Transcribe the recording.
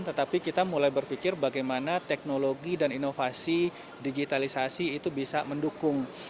tetapi kita mulai berpikir bagaimana teknologi dan inovasi digitalisasi itu bisa mendukung